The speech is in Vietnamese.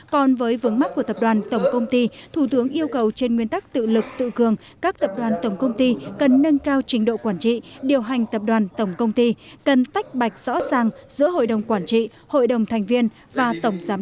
còn với vương mắc của tập đoàn tổng công ty thủ tướng yêu cầu trên nguyên tắc tự lực tự cường các tập đoàn tổng công ty cần nâng cao trình độ quản trị điều hành tập đoàn tổng công ty cần tách bạch rõ ràng giữa hội đồng quản trị hội đồng thành viên và tổng giám đốc điều hành tạo hướng đi đúng